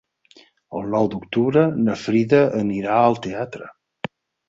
El nou d'octubre na Frida anirà al teatre.